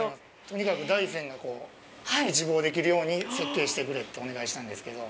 とにかく大山が一望できるように設定してくれってお願いしたんですけど。